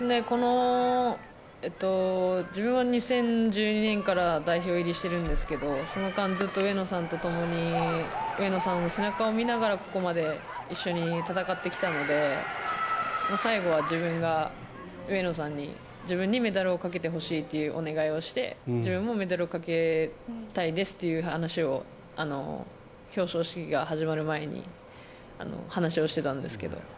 自分は２０１２年から代表入りしているんですけどその間、ずっと上野さんとともに上野さんの背中を見ながらここまで一緒に戦ってきたので最後は、自分が上野さんに自分にメダルをかけてほしいというお願いをして、自分もメダルをかけたいですという話を表彰式が始まる前に話をしていたんですけど。